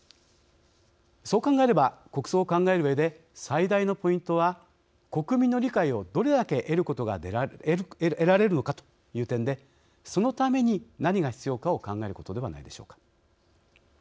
そう考えれば国葬を考えるうえで最大のポイントは国民の理解をどれだけ得られるのかという点でそのために何が必要かを考えることではないでしょうか。